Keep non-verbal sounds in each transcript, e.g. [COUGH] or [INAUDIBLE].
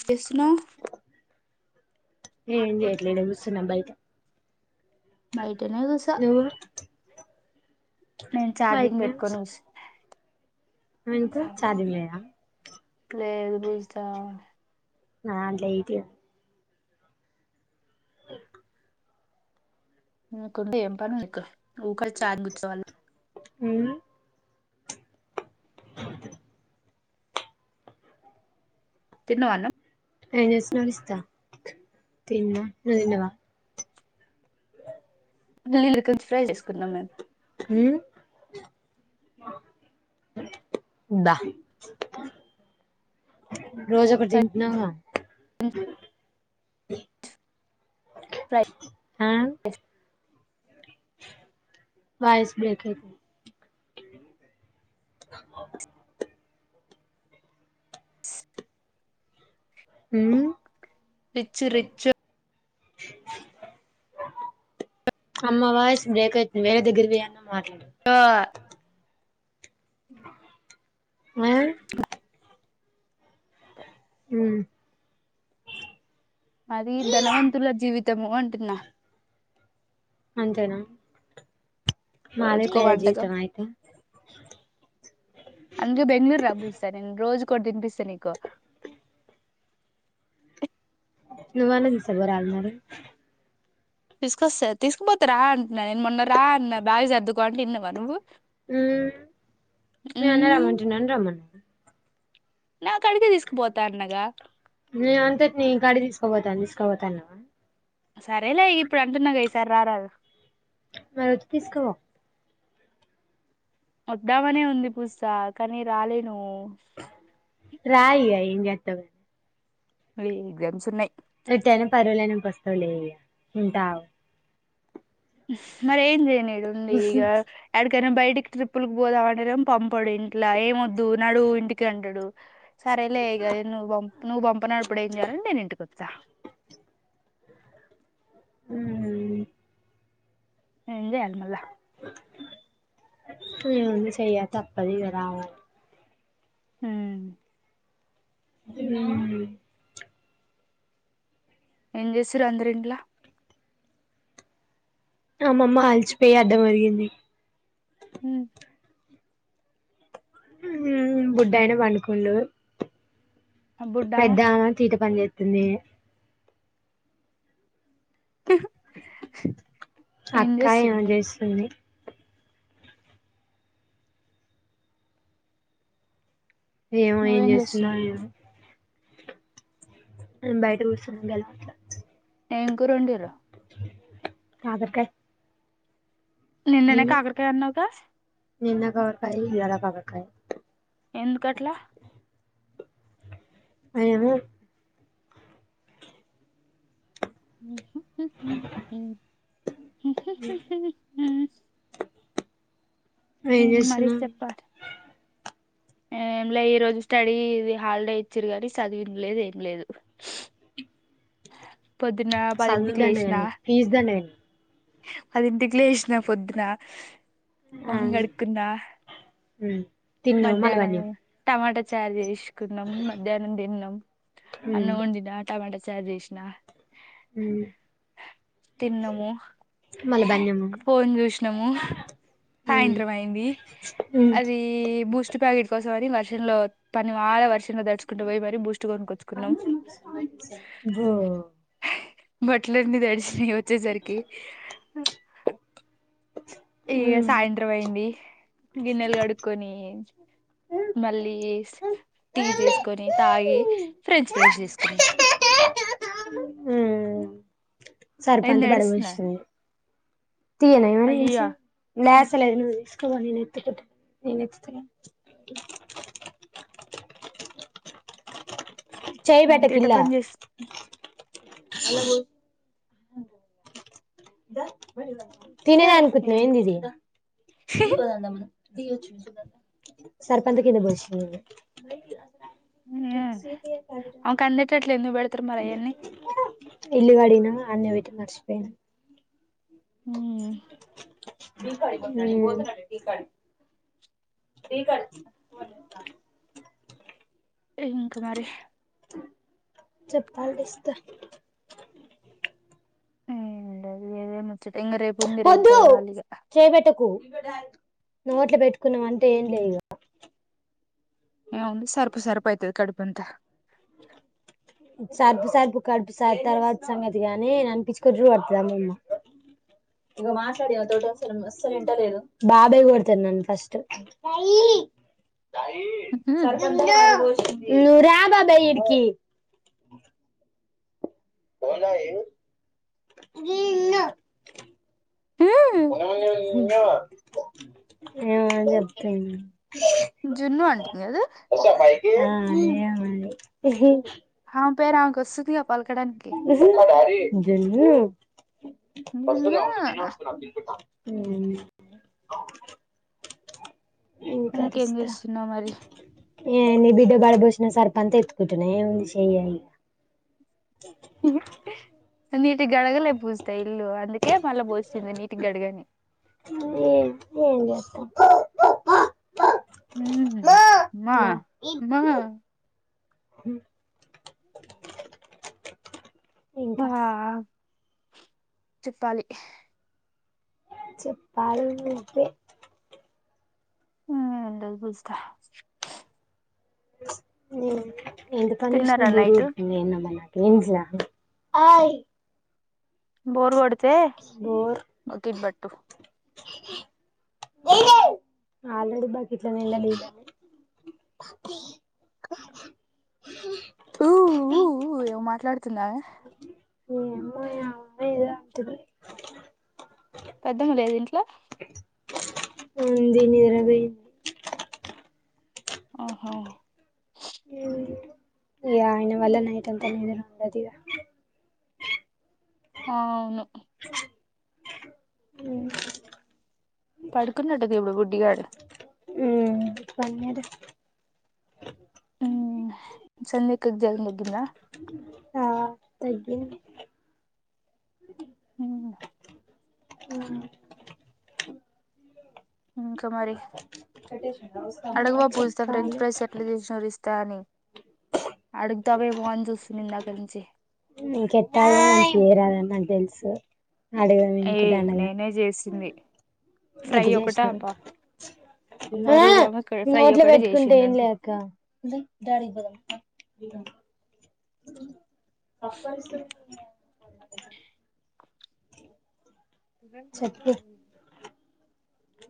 చెసున్నావ్ ఏం చేయట్లే ఇడా గూసున్న బైట బైటనే గూసో నువ్వు నేను చార్జింగ్ బయటనే పెట్టుకొని కూర్చున్న గుసున్న ఎందుకు ఛార్జింగ్ లేదా లేదు పూజిత నా దంట్ల ఎయిటీ ఓ మ్ కుండ ఏం పనుంది నీకు ఉకే చార్జ గుచ్చుతవ్ అళ్ళ మ్ తిన్నవా అన్నం [UNINTELLIGIBLE] కొనిస్త తిన్న నుతిన్నవా లిలి లికన్స్ ఫ్రై చేసుకున్నం మేము మ్ దా రోజోకటి తింట్నవా ఫ్రై ఆ ఎస్ వాయిస్ బ్రేక్ అయితుంది ఉమ్ రిచ్చ్ రిచ్చ్ అమ్మ వాయిస్ బ్రేక్ అయితుందే వేరే దగ్గర పోయన్న మాట్లాడు ఆ ఆ [UNINTELLIGIBLE] హ్మ్ అది ధనవంతుల జీవితము అంటున్న అంతేనా మాదే రోజుకో పేద వంటకం జీవితమా అయితె అందు బెంగళూరు రా బ్బుస్తా నేను రోజుకోటి తిపిస్త నీకు నువ్వన్న దిసపోరాదు మరి తీసుకొస్తా తీసుకుపోత రా అంటున్న నేను మొన్న రా అన్న బ్యాగ్ సర్దుకో అంటె ఇన్నవా నువ్వు మ్ మీ అన్న మ్మ్ రమంటున్నడని రమన్న నా కాడికే తీసుకుపోత అన్నగా నేను అంతటిని నీకాడి తీసుకోపోత తీసుకోపోతా అన్నవా సరేలే ఇప్పుడు అంటున్నగా ఈసారి రారాదు మరో ఒచ్చి తీసుక వొ వద్దామనే ఉంది పూస కానీ రాలేను రా ఇగ ఏంజెత్తవ్ మరీ ఎగ్జామ్స్ ఉన్నయ్ ఎట్టైన పరువలేైనంక వస్తవ్లే ఇగ ఉంటావ్ మరి ఏం జేయను ఇడుండి ఇగా యడికైన బయటికి ట్రిప్పుల్కి పోదామనేనెమో పంపడు ఇంట్ల ఏమోద్దు నడువు ఇంటికి అంటడు సరేలే ఇగ నువ్వు పం నువ్వు పంపనప్పుడు ఏం చేయాలని నేను ఇంటికి ఒత్త హు ఏం జేయాలి మళ్ళ ఏముంది శచేయ్యా తప్పదిగ రావాలి హ్మ్ ఉమ్మ్ ఏం జేస్తుర్రు అందరింట్ల అమమ్మ అల్చిపోయి అడ్డం ఒరిగింది మ్ మ్ బుడ్డాయిన పండుకుండు ఆ బుడ్డామా పెద్దామే తీట పని జేత్తుంది [INAUDIBLE] ఏం అక్కా ఏమో చేస్తుంది జేస్తుంది ఏమో ఏం నువ్వేం జేస్తుందొ చేస్తున్నావు ఏమో మేము బయట కూసున్నాం ఎం కూర వొండిరు కాకరకాయ్ నిన్ననే కాకరకాయ అన్నావు గ నిన్న కాకరకాయ్ ఇయాల కాకరకాయ్ ఎందుకు అట్లా ఏమో [UNINTELLIGIBLE] ఏం నేన్ మరిస్ చేస్తున్నావ్ చెప్ప ఎం లే ఈ రోజు స్టడీది హాలిడే ఇచ్చిరు కానీ చదివిరు ఏం లేదు పొద్దున చదువు పదింటికి దండగ లేషినా నీకు ఫీజు దండగ పదింటికి లేషినా పొద్దున మొహం ఆం ఉమ్ తిన్నావు మళ్ళ మధ్యానం బన్యం టమాటా చారు చేషుకున్నాం మధ్యానం తిన్నం ఉమ్ అన్నం వొండినా టమాటా చారు చేషినా ఊ తిన్నము మళ్ళ బన్యము ఫోన్ చూషినము ఉమ్ సాయంత్రం అయ్యింది ఉమ్ అది ఈ బూస్ట్ ప్యాకెట్ కోసం అని వర్షం లో పని వాళ్ళ వర్షం లో దడుచు కుంటూ పోయి మరీ బూస్ట్ కొనుకొచ్చుకున్నాం బో బట్లన్నీ తడిచినయి వచ్చేసరికి ఇగ ఉమ్ సాయంత్రం అయ్యింది గిన్నెలు కడుక్కొని ఉమ్ మళ్ళీ టీ చేసుకొని తాగి ఫ్రెంచ్ ఫ్రైస్ చేసుకున్నా సర్పు ఏంది అంతా ఏడుస్తున్నావ్ పడబోసింది తీయ్యనే మరి అయ్యా ఎంచా ల్యాసలేను నువ్ తీసుకోవా నేను ఎత్తుకుంట నేను ఎత్తుత గానీ చెయ్ పెట్టకు ఎంత ఎట పిల్ల పని చేస్ తినేది అనుకుంట్నవా ఏం ఏంది ఇది దిగి పోదాం దా మనం సర్పు అంతా కింద పోషినవ్ గా [UNINTELLIGIBLE] ఆమెకు అందేటట్లు ఎందుకు పెడ్తరు మరి ఆయన్నీ ఇల్లు గడిగినము ఆడనే పెట్టి మర్చిపోయినా ఈ ఉమ్ ఇంక మరి చెప్పాలి ఇస్త చుత్ ఇంగ రేపు ఉంది రేపు చదవాలి ఇగ చెయ్ పెట్టకు నోట్లో పెట్టుకున్నవంటే ఏం లేదు ఇగ ఏముంది సర్పు సర్పు అయితది కడుపు అంతా సర్పు సర్పు కడుపు సర్ తర్వాత సంగతి గానీ అనిపించుకు [UNINTELLIGIBLE] అమ్మమ్మ బాబాయ్ కొడతడు నన్ను ఫస్ట్ [UNINTELLIGIBLE] ఉహు, నువ్వు రా బాబాయ్ ఈడికి పోనాయి గిన్ను ఉమ్, [UNINTELLIGIBLE] ఏమని చెప్తున్నా జున్ను అంటుంది గదూ ఆ అన్నియ మరి హామ్ పేరు ఆమెకి వొస్తుది గా పల్కడానికి [UNINTELLIGIBLE] నిన్న [INAUDIBLE] ఇంక ఇంకేం అరుస్తా చేస్తున్నావు మరి ఏ నీ బిడ్డ బడబోసిన సర్ఫంతా ఎత్తుకుంటున్నా ఏం ఉంది చెయ్యయి ఇ నీటుగ గడగలే పూజిత ఇల్లు అందుకే మళ్ళా పోసింది నీటుగ గడుగు అని ఎం ఎం జెస్తా ఉహు మా మా ప ఇంకా చెప్పాలి చెప్పాలి నువ్వే ఏంలేదు పూజ్తా ఎంత పని చేసినా తిన్నారా నైట్ బురూరికె నిన్న మన ఎంట్లా ఓయ్ బోర్ గొడితే బకిట్ బట్టు ఆల్రడి బకిట్ [UNINTELLIGIBLE] పప్పి ఖ ఊఊఊ ఏవో మాట్లాడుతుందమే మ్యావ్ మాయావ్ తురే పెద్దమ్మ లేదు ఇంట్లో ఉంది నిద్ర పోయింది ఆహ ఇగ ఆయన వల్ల నైట్ అంతా నిద్ర ఉండదిగ అవును [INAUDIBLE] ఉమ్ పడుకున్నట్టు ఇప్పుడు బుడ్డీగాడు ఉమ్ పన్నడు ఉమ్ సంధ్యక్కకు జరం తగ్గిందా ఆ తగ్గింది ఉమ్ ఉమ్ ఇంకా మరి [UNINTELLIGIBLE] అడగవా పూజీస్తా ఫ్రెంచ్ చెప్పాలి ఫ్రైస్ ఎట్లా చేసినరు తని అడుగుతావేమోని చూస్తున్న ఇందాక నుంచి నీకెట్టాల చేయరదాని నాకు తెలుసు అడిగడమెందుకు దండగా నే చేసింది ఫ్రై ఎట్ల ఒకటే చేసినావు అప అపరూపమ ఫ్రై నోట్లు ఒకటి పెట్టుకుంటే చేసింది ఏం లే అంతే అక్క గి డాడీకి పోదాం దా [INAUDIBLE] సప్పరిస్తు మరి [UNINTELLIGIBLE]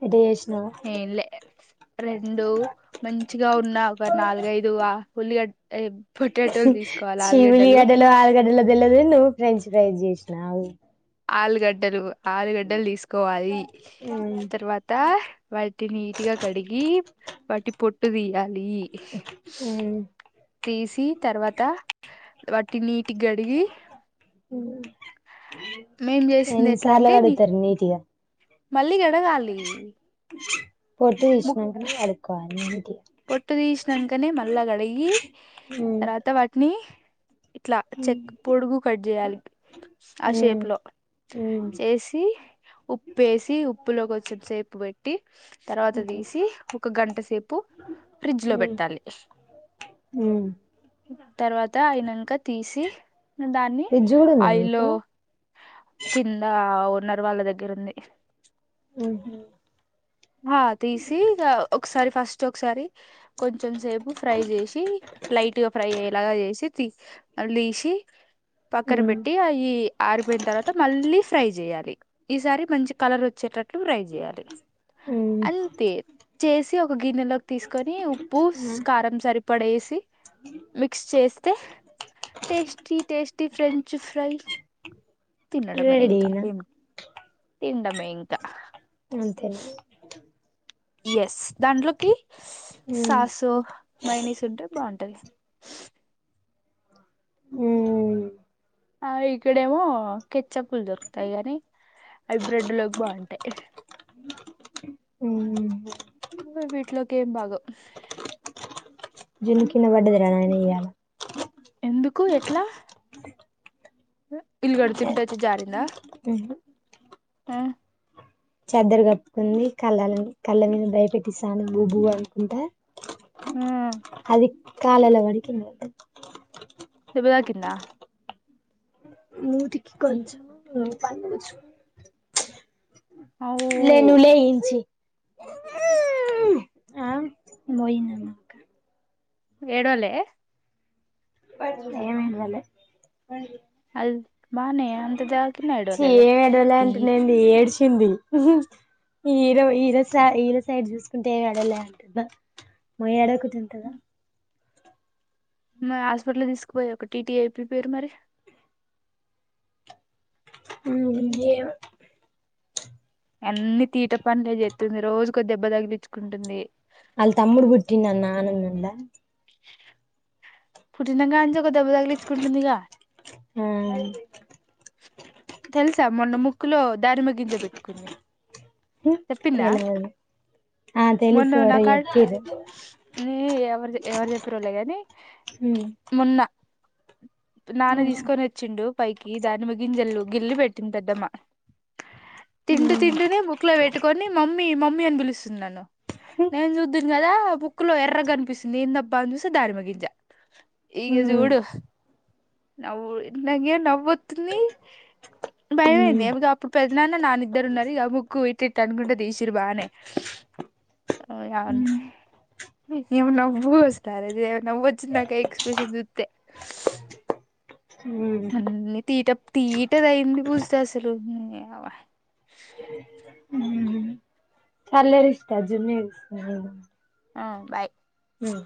ఎట్టా జేసినవ్ ఏంలే రెండు మంచిగా ఉన్నా ఒక నాలుగైదు అ ఉల్లిగడ్డ అ చి ఉలిగడ్డలో ఆలుగడ్డలో తెలువదు గాని నువ్వు ఫ్రెంచ్ ఫ్రైజ్ చేసినావు ఆలుగడ్డలు ఆరుగడ్డలు తీసుకోవాలి తర్వాత వాటిని నీట్గా కడిగి వాటి పొట్టు తీయాలి ఉమ్ తీసి తర్వాత వాటిని నీటిగ్గడిగి మేం [INAUDIBLE] చేసింది ఎన్నీ ఎట్లా సార్లు అంటే నీ గడుగుతారు నీటిగా మళ్ళీ గడగాలి పొట్టు దిశ్నంకనే గడుక్కోవాలి మూతి పొట్టు తీసినాకనే మళ్ళా కడిగి తర్వాత వాటిని ఇట్లా చెక్ పొడుగు కట్ జేయాలి ఆ మ్మ్ షేప్ లో చేసి ఉప్పేసి ఉప్పులో కొంచెం సేపు వెట్టి తర్వాత్ ట్ట మ్మ్ దీసి ఒక గంట సేపు ఫ్రిడ్జ్ లో మ్మ్ బెట్టాలి మ్మ్ తర్వాత ఐనంక తీసి దాన్ని ఫ్రిడ్జ్ కూడా ఉందా ఆయిల్లో మీకు కిందా ఓనర్ వాళ్ళ దగ్గర ఉంది ఉహు హా తీసి ఇగా ఒకసారి ఫస్ట్ ఒకసారి కొంచెం సేపు ఫ్రై జేసి లైట్ గా ఫ్రై అయ్యేలాగా జేశి తీస్ అల్ దీసి పక్కన మ్మ్ బెట్టి అయి ఆరిపోయిన తర్వాత మళ్ళీ ఫ్రై జేయాలి. ఈసారి మంచి కలర్ ఒచ్చేటట్లు ఫ్రై జేయాలి. ఉమ్ అంత్తే చేసి ఒక గిన్నెలోకి తీస్కొని ఉప్పుస్ కారం సరిపడేసి మిక్స్ చేస్తే టేస్టీ టేస్టీ ఫ్రెంచ్ ఫ్రై తినడమే ఇంకా రెడీనా ఏమి తింన్డమే ఇంకా అంతేనా యాస్స్ దాంట్లోకి ఉమ్ సాసు మైనిసుంటే బాగుంటది. ఉమ్ ఆ ఇక్కడేమో కెచ్చప్పులు దొరుకుతాయి గానీ అవి బ్రెడ్ లోకి బాగుంటయి. ఉమ్ ఆ వీట్లోకేంబాగోవ్ జున్ను కింద పడ్డదిర నాయన ఇయాల ఎందుకు ఎట్లా ఈళ్ళు కడుగుతుంటే ఓచ్చి జారిందా? ఉహు ఆ చెద్దర్ గప్పుకుంది కళ్ళల కళ్ళ మీద భయపెట్టిస్తాను బూబు అనుకుంటా ఆ అది కాలల వనికింది అంతే దెబ్బతాకిందా మూతికి కొంచము పలు చు అవును లే నువ్ లే ఏనుంచీ ఆ [UNINTELLIGIBLE] ముయ్ ఏడ్వాలే ఏం ఏడ్వాలే అది బానే అంత తాకినా ఛీ ఏడవలేదా ఏమేడవలే తీ అంటునేంది ఏడ్శింది ఈరో ఈరోసా ఈరో సైడ్ జూస్కుంటే ఎడలే అంటున్న మై ఏడవకుంటుంటదా మర్ హాస్పిటల్ దీస్కపోయి ఒక టీటీఏ ఇప్పియ్యపేర్రు మరి ఏమో అన్నీ తీట పనులే జేత్తుంది రోజుకో దెబ్బ దగిలిచ్చుకుంటుంది ఆల్ తమ్ముడు బుట్టిండన్న ఆనందంలా పుట్టినకాంచే ఒక దెబ్బ దగిలిచ్చుకుంటుందిగా. ఉమ్ తెల్సా మొన్న ముక్కులో దానిమ్మ గింజ బెట్టుకుంది హూ తెలవదు ఆ తెలుసు మొన్న ఎవరో నాకా చెప్పిర్రు ఎవర్ ఎవరు జెప్పిర్రోలే గాని ఉమ్ మొన్న నాన్న తీసుకొని ఒచ్చిండు పైకి దానిమ్మగింజల్లు గిల్లి పెట్టింది పెద్దమ్మ తింటు తింటూనే ముక్కులో పెట్టుకొని మమ్మీ మమ్మీ అని పిలుస్తుంది నన్ను నేను చూద్దును గదా ముక్కులో ఎర్రగనిపిస్తుంది ఏందబ్బా అని చూస్తే దానిమ్మ గింజ ఇగ జూడు నవ్వు నాకెమో నవ్వోత్ తుంది భయమైంది ఏమిగ అప్పుడు పెద్దనాన్న నాన్న ఇద్దరూ ఉన్నరు ఇగ ముక్కు ఇ ఇట్లు ఇట్లా అనుకుంటూ తీసిండ్రు బానే ఏమ నవ్వు అసలు ఆరోజు ఏమ నవ్వొచ్చింది నాకు ఆ ఎక్స్ప్రెషన్ జూత్తే హామ్ తీట తీటదయింది పూజిత అసలు నీయవ సరేలే రిషిత జున్ను ఏడుస్తుంది ఆ బాయ్ ఉమ్